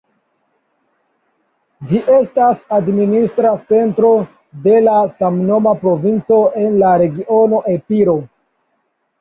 Ĝi estas administra centro de la samnoma provinco en la regiono Epiro.